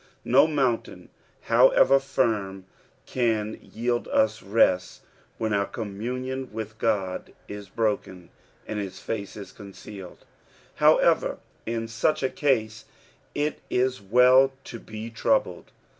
No monnt«in, however firm, can yield us rest when our communion with Ood is broken, and his fnce is concealed. However^ in such a case, it is well to be troubled.